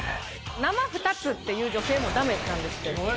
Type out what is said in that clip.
生２つって言う女性も駄目なんですって。